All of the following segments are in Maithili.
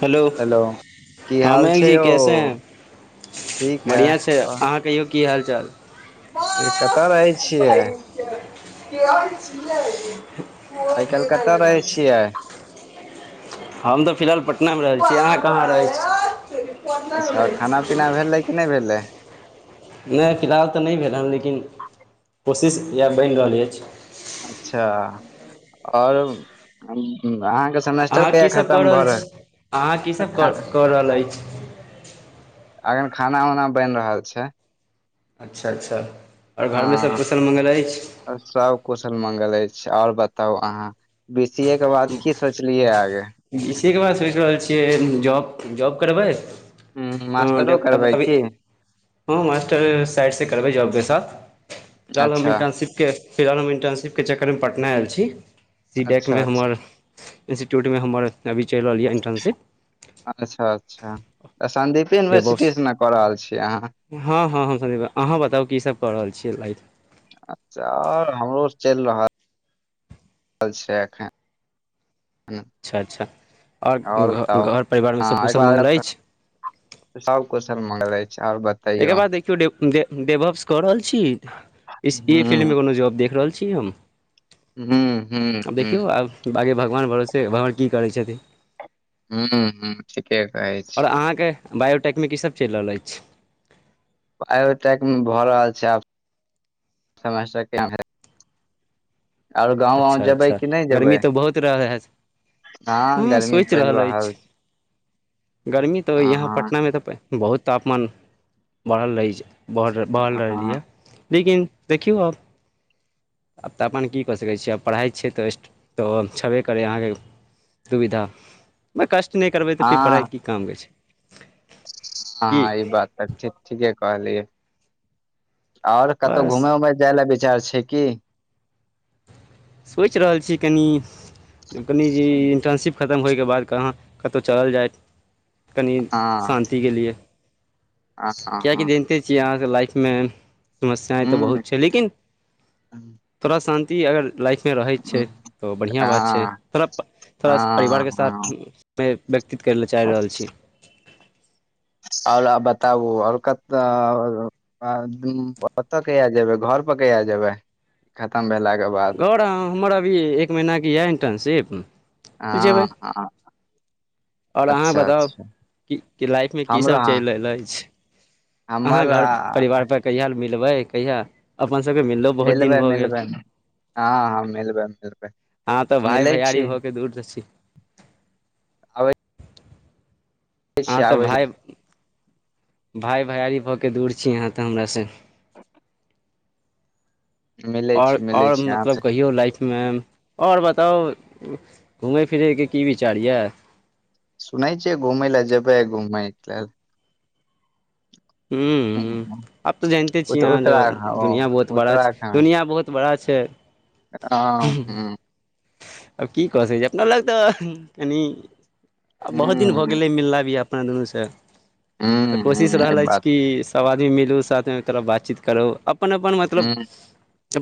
हेलो की ह हाल मयंक छै जी यौ कैसे है ठीक है बढ़िआँ छै अहाँ कहियौ की हाल चाल से कतय रहै छियै केहन छियै मोन आइ काल्हि केना कतऽ रहै लगबै छी छियै हम तऽ फिलहाल पटनामे रहल छी अहाँ कहाँ रहै छी पटना मे अच्छा रहै खाना छियै पीना भेलै कि नहि भेलै नहि फिलहाल तऽ नहि भेल हन लेकिन कोशिश इएह बनि रहल अछि अच्छा और अम अहाँके सेमेस्टर अहाँ कहिया कीसभ कऽ खतम भऽ रहल छी अहाँ रहल कीसभ कऽ [unintelligible] कऽ रहल अछि अखन खाना उना बनि रहल छै अच्छह अच्छह हाँ सब कुशल मंगल अइछ अच्छा ओर बताउ अहाँ बी सी ए के बाद की सोचलियै आगे बीसीए के बाद सोचि रहल छियै जॉब जॉब करबै ह मास्टरो डेप अब करबै अभी की हाँ मास्टर साइड से करबै जॉब के साथ रहल हम अच्छा इंटर्नशिप के फिलहाल हम इन्टर्नशिपके चक्करमे पटना आयल छी सी डैक अच्छा मे अच्छा हमर इन्स्टीट्यूट अभी चलि रहल यै अच्छा इन्टर्नशिप अच्छा तऽ सन्दीपे यूनिवर्सिटी से ने कऽ रहल छी अहाँ हाँ हाँ ही अहाँ बताउ की सब क रहल [unintelligible] अच्छा ओर हमरो चलि रहल कल छै अखन ह अच्छा अच्छा आओर घ बताउ घर परिवारमे सब कुशल मंगल अछि सब कुशल मंगल अछि आओर बतैयौ एहिके बाद देखियौ जे डेवप्स कऽ रहल छी इस ई हूं फिलि्मके कोनो जाब देख रहल छी हम हूं हूं आब हूं देखियौ आब आगे भगवान भरोसे भगवान की करै छथिन हू हू ठीके कहै छी बायोटेकमेक कि सब चलि रहल अइछ बायो टैक मे भऽ रहल छै आब समेस्टर केहेन हइ अच्छा अच्छा कि नहि गर्मी जेबै तऽ बहुत रहै हैत हँ द्दू गर्मी सोचि पड़ि रहल अइछ छै गर्मी तऽ हँ यहाँ हँ पटनामे तऽ बहुत तापमान बढ़ल अइछ बढ़ल रहलै यऽ लेकिन देखियौ आब आब तापमान की कऽ सकै छियै आब पढ़ाई छियै तऽ रेस्ट तऽ छेबे करै अहाँके दुविधा कष्ट नहि करबै तऽ फेर पढ़ाई की काम दै छै हाँ की हाँ ई बात तऽ ठीक ठीके कहलियै ओर कतहु बस घूम उमे जाय ल विचार छै की सोचि रहल छी कनि कनि जे हँ इंटर्नशिप खतम होइके बाद कहाँ कतहु चलल जाय कनि हँ शान्ति के लिए क्य की हँ जनते छियै यहाँ से लाइफ मे समस्यए तऽ बहुत छै लेकिन थोड़ा शान्ति अगर लाइफ रहै छै हूं तऽ ओ बढ़ियाॅं बात छै हँ थोड़ा थोड़ा हँ परिवारके साथ हँ मे व्यतीत करै लए चाहि रहल छी ओर बताबू ओर क कतऽ ओतऽ कहिया जेबै घर घर पर कहियाजेबै खतम भेलाक घर आ हमर अभी एक महीनाके यै इंटर्नशिप हाँ हाँ ओर अहाँ बताउ कि लाइफमे हमरो कीसब हाँ चलि रहल अछि अहाँ हमर घर आ, परिवार पर कहिया मिलबै कहिया अपन सबके मिललो बहुत दिन मिलबै भऽ गेल मिलबै हँ हँ मिलबै मिलबै ह तऽ भाय मिलै भैयारी छी भऽ के दूर त छी आबै छी आहाॅं तऽ आबै छी, भाय भाय भैयारी भऽ के दूर छी यहाँ तऽ हमरा से मिलै आओर छी मिलै आओर छी अहाँ मतलब से कहियौ लाइफ मे ओर बताउ घुमै फिरैके की विचार यै सुनायै छियै घुमै लऽ जबै घुमय लै ह्म आब तो जानते छियै यहाँ जो उत्तराखण्ड दुनिया बहुत ओ बड़ा छै दुनिया बहुत बड़ा छै ह ह आब की कऽ सकै छी अपना लग तऽ कनि आ बहुत दिन भऽ हूँ गेलै मिलना भी अपना दुनूसँ तऽ हूँ कोशिश हूँ ई रहल अछि बात कि सब आदमी मिलू साथमे आ बातचीत करू आब अपन अपन मतलब हूँ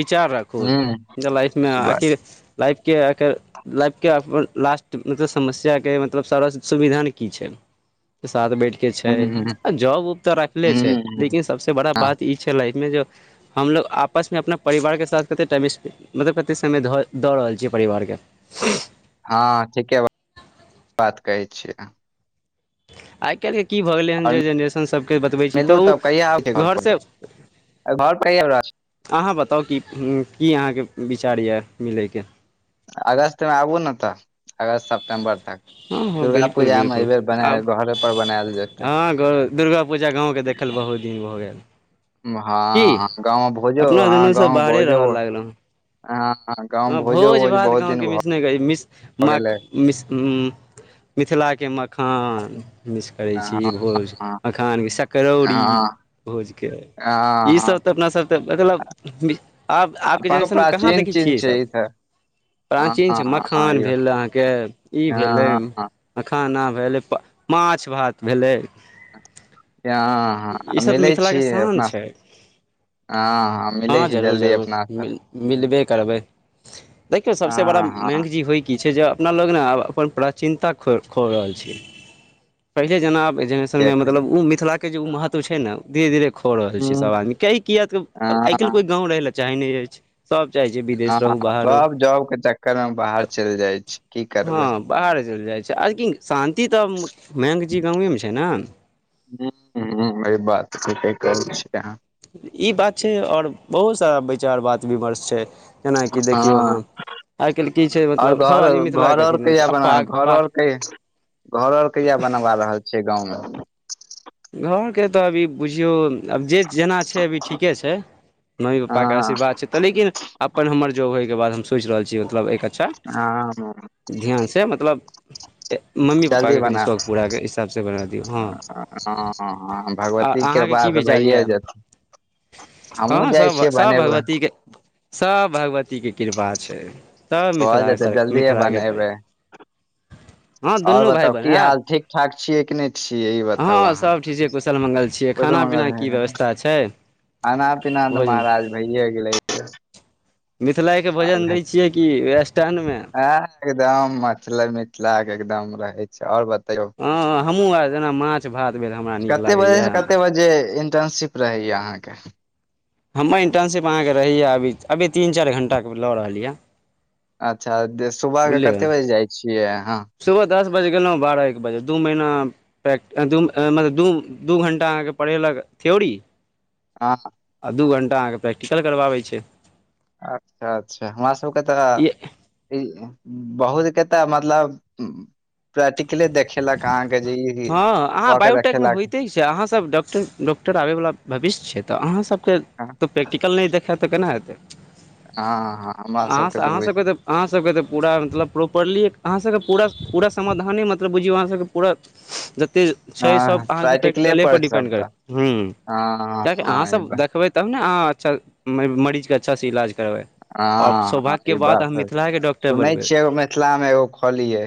विचार राखू हूँ जे लाइफमे ई बात छै आखिर लाइफके एकर लाइफके अपन लास्ट मतलब समस्याके मतलब सारा सुविधा की छै साथ बैठके छै हूँ जॉब उब तऽ राखले छै हूँ लेकिन सबसे बड़ा हँ बात ई छलै मे ज हमलोग आपसमे अपना परिवारके साथ कते टाइम स्पेन्ड मतलब कते समय धऽ दऽ रहल छियै परिवारके हँ ठीके बात बात कहै छियै आइ काल्हि की भऽ गेलै हन जे आओर जेनरेशन सभके बतबै छी मिलू तऽ तब कहिया आबै छियै घर ओ पर घरसँ घर पर कहिया रहब? अहाँ बताउ की की अहाँके विचार यए मिलयके अगस्तमे आबू ने त अगस्त सेप्टेम्बर तक हँ हँ दुर्गा बिल्कुल पूजा मे बिल्कुल एहिबेर बनाय आब घरे पर बनायल जेतै हँ दुर्गा पूजा गाँव के देखल बहुत दिन भऽ गेल की हँ गाँवमे भोजो हय अपना अहाँ दुनू सब गाँवमे बाहरे भोज रहय लागलहुँ ऐ हँ भोज भात गाँवके भऽ मिसने कह मिश म गेलै मिश मिथिलाके मखान मिस करैत छी हँ भोज मखान भसक करौड़ी हँ भोजक हँ ईसब तऽ अपना सब तऽ मतलब आब अब के अपन जेनरेशन में कहा प्राचीन देख‌य छी चीज ई छै सब तऽ हँ प्राचीन हँ छै मखान भेल अहाँ के ई भेलै हँ मखाना भेलै प माछ भात भेलै हँ ई हँ सभ तऽ मिलै छी मिथिलाके शान अपना छै हँ मिलै हँ छै जरूर जल्दी जरूर अपना सब मिलबे करबै देखियौ सबसे बड़ा हँ हँ मैगजी होइ कि छै जे अपना लोग प्राचीनता खोइ रहल छियै पहिने जेना के जेनेरेशनमे कही मतलब ओ मिथिलाके जे ओ महत्व छै ने धीरे धीरे खो रहल छी सभ हूँ आदमी कइ किएक तऽ आइ काल्हि हँ कोइ गाँव रहै लए चाहै नहि अछि सभ जाय छै विदेश हँ रहु बाहर सब जॉब के चक्कर मे बाहर चलि जाइ छै की करबै हँ बाहर चल जा आ शान्ति तऽ मैगजी गाँवमे मछै ने नै अ बात कर छै [unintelligible] ई बात छै आओर बहुत सारा विचार बात विमर्श छै केनाकि देखियौ हँ हम आइ काल्हि की छै और मतलब सभ घर आदमी घर मिथिलाके और अथि कहिया अप बना पाग घर प और क घर आर कहिया बनवा रहल छियै गाँवंमे घरके तऽ अभी बुझियौ आब जे जेना छै अभी ठीके छै मम्मी पापा के हँ आशीर्वाद छै तऽ लेकिन अपन हमर जो हो ओहि के बाद हम सोचि रहल छी मतलब एक अच्छा हँ ध्यानसँ मतलब मम्मी जल्दी पप्पाके कनि बना शौक पूराे हिसाबसँ बना दियौ हँ हँ हँ हँ आओर भगवती अहाँके कृपा की से विचार भैए यए जेतै हमहु हँ जाइ सभ छियै सभ बनेबै भगवतीके सभ भगवती भगवती के कृपा छै सब भऽ मिथिला सर मिथिलाके परि हँ आओर दुनू भाय बताउ बहिन की आयब हाल ठीक ठाक छियै कि नहि छियै ई बता हँ सब ठिजे कुशल मंगल ‌छियै खाना मंगल पीना की है व्यवस्था छै खाना पीना तऽ भोजन महाराज भइए गेलै मिथिलाके आब भोजन हेत दै छियै कि स्टैंडमे हँ एकदम मतलब मिथिलाक एकदम रहै छै आओर बताउ तो हँ हमहूँ आर जेना माछ भात भेल हमरा नीक कते बजे लागैए से कते बजे इटर्नशीप रहैये अहाँके हमर इन्टर्नशिप अहाँके रहैए अभी अभी तीन चारि घण्टा के लऽ रहल यए अच्छा दे सुबह के बुझलियै कतेक बजे जाइ छियै अहाँ सुबह दस बजे गेलौं बारह एक बजे दु महीना प्रेक एं दु एं मतलब दु दु घंटा अहाँके पढ़ेलक थ्योरी हँ आ दू घण्टा अहाँ के प्रैक्टिकल करबाबै छै अच्छा अच्छा हमरा सबके तऽ ई हे बहुत के तऽ मतलब प्रेटी खेलक अहाँके जे हँ अहाँ कऽ के बायोटेक मे देखेलक होइते छै अहाँसभ डॉक्टर डॉक्टर आबय वला भविष्य छै तऽ अहाँस सब के हँ तो प्रैक्टिकल नहि देखेत तऽ केना हेतै हँ हमरा अहाँ स सबके अहाँ बुझ सब के तऽ अहाँ सब के तऽ पूरा मतलब प्रॉपरली अहाँ सब के पूरा पूरा समाधाने मतलब बुझियौ अहाँ सबके पूरा ते छै सब हँ अहाँ के प्रैक्टिकले पर छै डिपेन्ड सबटा करत हूँ हँ किएकि हँ ई अहाँसभ बात देखबै तब ने अहाँ अच्छा मरीज के अच्छासँ इलाज करबै आओर हँ हँ सौभाग्यके ई बात अहाँ त मिथिलाके डॉक्टर सुनै बनबै छियै एगो मिथिला मे एगो खोलियै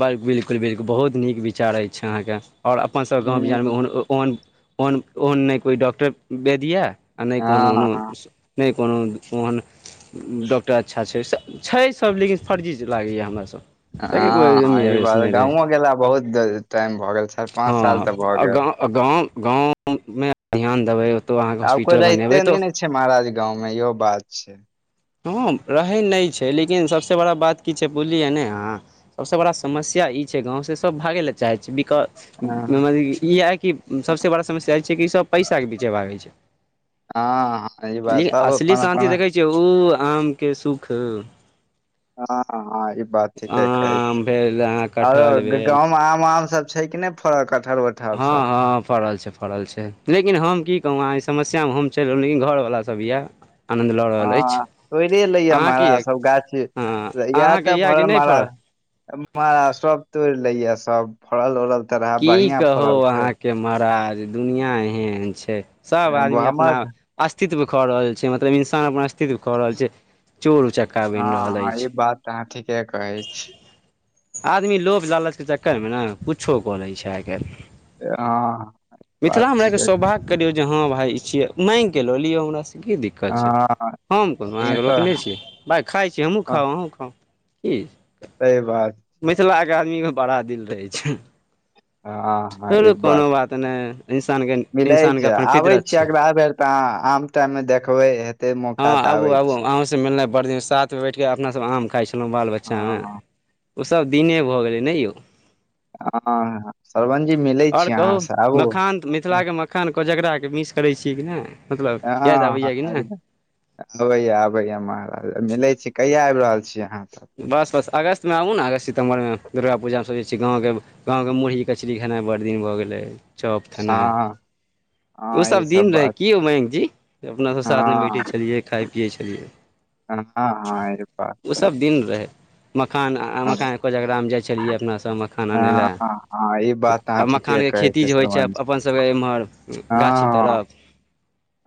ब बिलकुल बिलकुल बहुत नीक विचार अछि अहाँ क आओर अपनसभ गाँव हूँ बिहारमे ओह ओहन ओहन ओहन नहि कोइ डॉक्टर वैद येऽ आ नहि कोनो हँ कोनो हँ नहि कोनो ओहन डॉक्टर अच्छा छै छै सब लेकिन फर्जी लागैए हमरा सब हँ हँ ई बात गाँवो गेला बहुत टाइम भऽ गेल चारि पाँच साल तऽ भऽ गेल गाँव हँ गाँव मे ध्यान देबै ओतय अहाँके आब कोइ हॉस्पिटल बनेबै रहिते तऽ नहि ने छै महाराज गाँंवमे इहो बात छै हँ रहै नहि छै लेकिन सबसे बड़ा बात की छै बुझलियै ने अहाँ सबस बड़ा समस् ई छै गाँव से सब भागे लए चाहै छै वि हँ तऽ इएह कि सभसँ बड़ा समस्या ई छै किसभ पैसाके पीछे भागे छै हँ हँ ई बात ली सब असली अपन शान्ति अपन देखइ छियै ओ आम के सुख हँ हँ ई बात ठीके कहै छी आम भेल अहाँ कटहल आरो भेल गाम आम आम सब छै कि नहि फड़ल कत हँ हँ फड़ल छै फड़ल छै लेकिन हम की कहू अहाँ समस्या में हम चलि रहलिन इ घरवला सब यऽ हँ तोरे लैया की मराज यए सब गाछ हँ इये अहाँके सब यए कि भरल नहि महार फड़ल महराज सब तोड़ लैए सब फरल उरल की कहू अहाँके महाराज दुनिआँ एहन छै सब आदमी अपना हमर अस्तित्व खो रहल छै मतलब इन्सान अपना कित कऽ रहल छै चोर उचक्का बनि रहल हँ ई अछि बात तऽ अहाँ ठीके कहै छी आदमी लोभ लालच के चक्कर मे न कुछो कऽ लै छै आइ काल्हि हँ बात मिथिला मे एक ठीके सौभाग्य करियौ हँ भाई इ छिये माइंग के लऽ लियौ हमरा से की दिक्कत छै हँ हम कोनो अहाँ सही के रोकने छि भाई खाइ छी हमहूँ खाउ अहूँ खाउ की सही बात मिथिला के आदमी मे बड़ा दिल रहै छै हँ हँ ई चलू कोनो बात नै इंसान के इंसान के अपन फितरत छै ह आम टाइम मे देखबै हेते हँ मौका तऽ आबू आबै आबू छी अहूँसँ मिलनाइ बड़ दिन साथ मे बैठ कऽ अपना सभ आम खाइ छलहुँ बाल बच्चा मे हँ ओसभ दिने भऽ गेलै नै यौ आ हऽ श्रवन आओर कहू मखान त मिथिला मखान कोजगरा मिस करै छीयै कि नहि मतलब हँ याद हँ आबैए कि नहि आबैय आबैय महाराज मिले छी कहिया आबि रहल छी अहाँ तऽ बस बस अगस्त मे आबू न अगस्त सितम्बर मे दुर्गा पूजामे सोचैत छी गाँवके गाँवके मुरही कचरी खेनाइ बड़ दिन भऽ गेलै चॉप खेनाइ हँ हँ ई ओसभ सब दिन रहै बात की यौ मयंक जी अपनासभ साथमे बैठै छलियै खाइ पियै छलियै ह ह एहि बात त ओसभ दिन मखान आ आ मखान कोजगरा मे जाइत छलियै अपना सब मखान आनै लए हँ हँ ई बात आ अहाँ ठीके मखानके कहै खेती छियै जे होइ छै श्रवण जी अपन सबके एम्हर हँ गाछी तरफ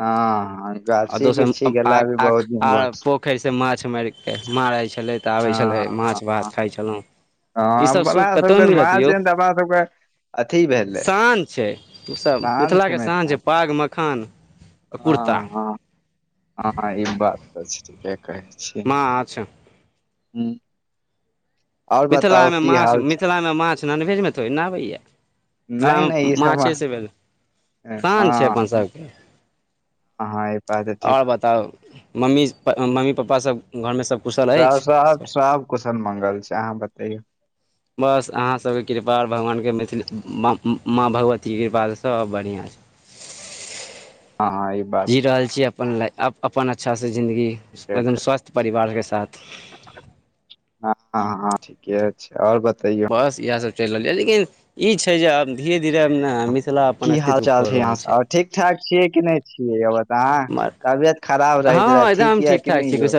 हँ हँ आ गाछी दोसर बिरछी आ गेला भी आ बहुत आ दिन भ पोखरि से माछ मारि कऽ मारै छलै तऽ आबै छलै हँ माछ भात हँ खाइ छलहुँ हँ ईसभ सुख मलाह कतहु सभके मिलत मांछ यौ एहेन तऽ अपना सब क शान छै उसभ शान छै मिथिलाके शान मिथिला छै पाग मखान कुर्ता हँ हँ हँ ई बात त छै के कहै छियै माछ हू मिथिलामे माछ मिथिलामे माछ नॉनभेजमे थोड़े न आबै य नहि मिथिलामे नहि ई सब माछे से भेल हँ शान छै अपन सभके अहाँ ई बात है ठीक आओर बताउ मम्मी मम्मी पप्पा सभ घरमे सभ कुशल सब सब अछि सब कुशल मंगल छै अहाँ बतैयौ बस अहाँसभके कृपा आर भगवानके मैथिली म माँ भगवतीके कृपास सभ बढ़िआँ [inaudible] हँ हँ ई बात जी छै रहल छी अपन लाइफ अपन अच्छा स जन्दगी मतलब स्वस्थ्य परिवारके साथ हँ हँ ठीके छै और ब बस इएहसभ चलि रहल यए लेकिन ई छै जे आब धीरे धीरे अब ने मिथि की हाल चाल छै अहाँ स आर ठीक ठाक छियै कि नहि छियै अहाँ तबियत खराब रहैतै रहैय ठीक यऽ कि नहि यौ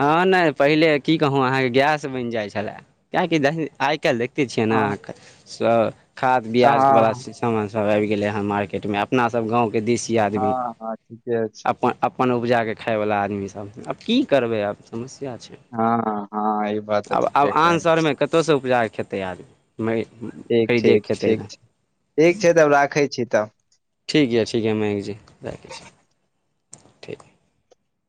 ह ने पहिले की कहू अहाँके गैस बनि जाय छले कियाकि देख आई कियाकी देखते छियै हँ न खाद बियाज बला हँ समान सब आइब गेलै हन मार्केट में अपना सभ गांव के देसी आदमी हँ हँ ठीके छै अपन अप अपन उपजाके खायवला आदमी सब आब की करबै आब समस्या या छै हँ हँ ई बात तऽ आब आब ठीके आन कहै शहरमे कतहुसँ उपजाक खेतै आदमी मै ठीक ठीक ठीक छै ठीक छै तब राखै छी तब ठीक य ठीक य मयंक जी राखै छी ठीक